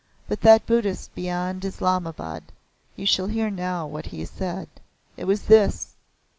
But that Buddhist beyond Islamabad you shall hear now what he said. It was this.